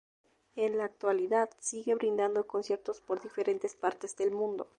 En la actualidad sigue brindando conciertos por diferentes partes del mundo.